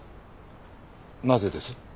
なぜです？